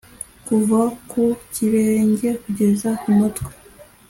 Kuva ku kirenge kugeza ku mutwe